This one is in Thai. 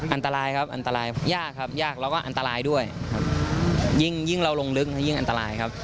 อันตรายครับอันตรายยากครับยากแล้วก็อันตรายด้วยครับยิ่งเราลงลึกยิ่งอันตรายครับ